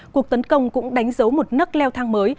cuộc tấn công cũng đánh dấu một nức leo thang mới